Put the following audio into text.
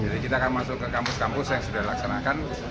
jadi kita akan masuk ke kampus kampus yang sudah dilaksanakan